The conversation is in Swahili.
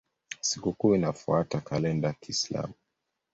Sikukuu inafuata kalenda ya Kiislamu.